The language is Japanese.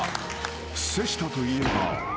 ［瀬下といえば］